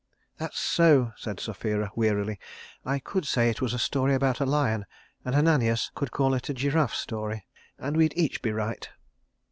"That's so," said Sapphira, wearily. "I could say it was a story about a lion and Ananias could call it a giraffe story, and we'd each be right."